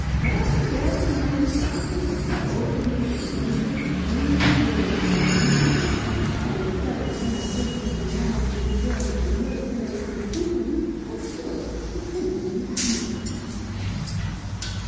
But the bell clangs sharply, the overheated, nervous, tingling boys fall into line, and the sudden transition from massing disorder to military precision cuts short the ten minutes' musing.